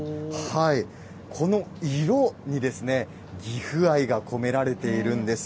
この色に岐阜愛が込められているんです。